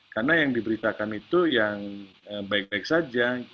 karena yang diberitakan itu yang baik baik saja